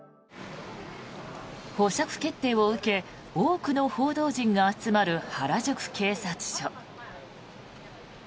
保釈決定を受け多くの報道陣が集まる原宿警察署。